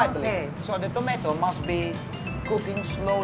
jadi tomat harus dimasak dengan perlahan